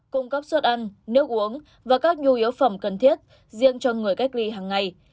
cung cấp suất ăn nước uống và các nhu yếu phẩm cần thiết riêng cho người cách ly hàng ngày